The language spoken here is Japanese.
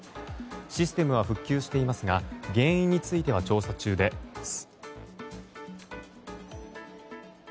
システムは復旧していますが原因については調査中です。